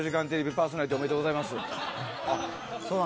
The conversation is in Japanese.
パーソナリティーおめでとうございます。